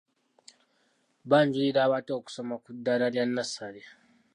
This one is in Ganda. Banjulira abato okusoma ku ddaala lya nnasale.